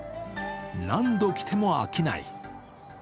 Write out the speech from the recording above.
何度来ても飽きない。